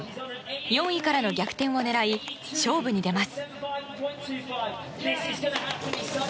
４位からの逆転を狙い勝負に出ます。